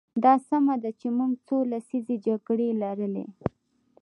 دا سمه ده چې موږ څو لسیزې جګړې لرلې.